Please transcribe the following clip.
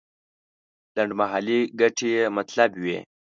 لنډمهالې ګټې یې مطلب وي.